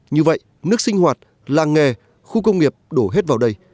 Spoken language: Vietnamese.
như vậy nước sinh hoạt làng nghề khu công nghiệp đổ hết vào đây